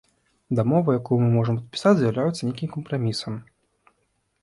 Дамова, якую мы можам падпісаць, з'яўляецца нейкім кампрамісам.